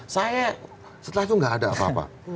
saya setelah itu nggak ada apa apa